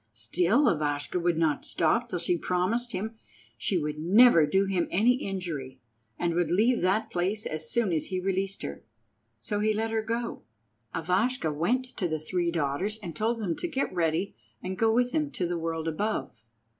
Still Ivashka would not stop till she promised him she would never do him any injury, and would leave that place as soon as he released her. So he let her go. Ivashka went to the three daughters and told them to get ready and go with him to the world above.